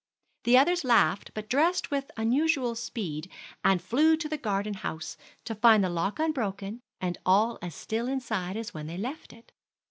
The others laughed, but dressed with unusual speed, and flew to the garden house, to find the lock unbroken, and all as still inside as when they left it.